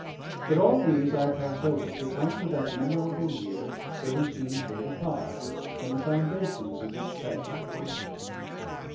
But all these I pass over, to come to that memorable year 1745, when the foundations of this tragedy were laid.